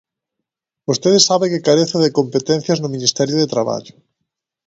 Vostede sabe que carezo de competencias no Ministerio de Traballo...